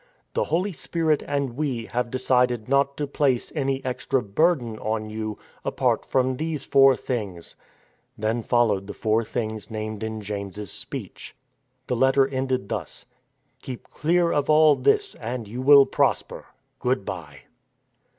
" The Holy Spirit and we have decided not to place any extra burden on you, apart from these four things." THE DECISIVE BATTLE 163 Then followed the four things named in James's speech. The letter ended thus :" Keep clear of all this and you will prosper. Good bye."